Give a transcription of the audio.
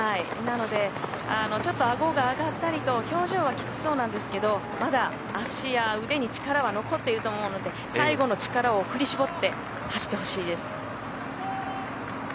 なので顎が上がったりと表情はきつそうなんですけどまだ足や腕に力は残っていると思うので最後の力を振り絞って走ってほしいです。